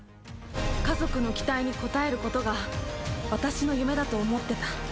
家族の期待に応えることが私の夢だと思ってた。